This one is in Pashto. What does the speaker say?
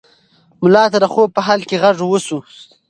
ملا ته د خوب په حال کې غږ وشو.